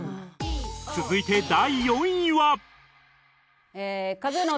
続いて第４位は